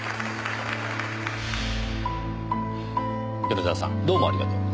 米沢さんどうもありがとう。